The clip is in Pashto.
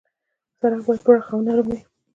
سړک باید پراخ او نرم وي.